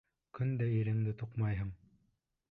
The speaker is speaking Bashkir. Көн дә иреңде туҡмайһың.